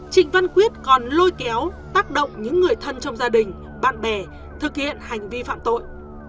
trịnh văn quyết còn lôi kéo tác động những người thân trong gia đình bạn bè thực hiện hành vi phạm tội